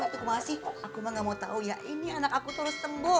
tau ya aku mah gak mau tau ya ini anak aku terus sembuh